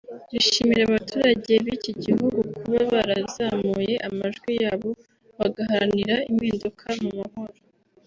rishimira abaturage b’iki gihugu kuba barazamuye amajwi yabo bagaharanira impinduka mu mahoro